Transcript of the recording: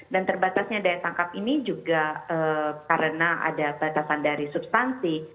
dan terbatasnya daya tangkap ini juga karena ada batasan dari substansi